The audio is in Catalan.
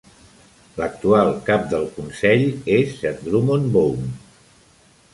L'actual cap del Consell es Sir Drummond Bone.